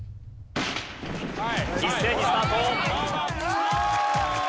一斉にスタート。